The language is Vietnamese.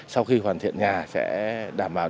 sau khi hoàn thiện nhà sẽ đảm bảo